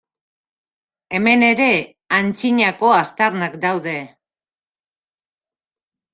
Hemen ere, antzinako aztarnak daude.